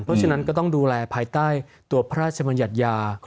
เพราะฉะนั้นก็ต้องดูแลภายใต้ตัวพระราชมัญญัติยา